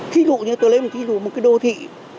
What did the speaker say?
thí dụ như tôi lấy một thí dụ một cái đô thị